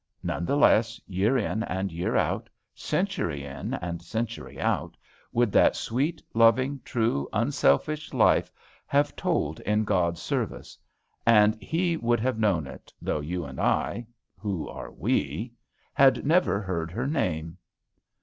None the less, year in and year out, century in and century out, would that sweet, loving, true, unselfish life have told in God's service. And he would have known it, though you and I who are we? had never heard her name!